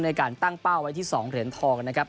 ในการตั้งเป้าไว้ที่๒เหรียญทองนะครับ